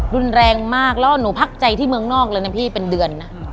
รุนแรงมากแล้วหนูพักใจที่เมืองนอกเลยนะพี่เป็นเดือนนะ